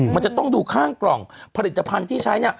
มันจะต้องดูข้างกล่องผลิตภัณฑ์ที่ใช้เนี่ย